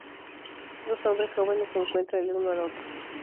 Dos hombres jóvenes se encuentran el uno al otro.